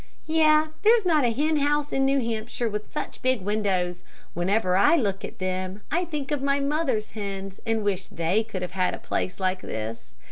"Yes, there's not a hen house in New Hampshire with such big windows. Whenever I look at them, I think of my mother's hens, and wish that they could have had a place like this.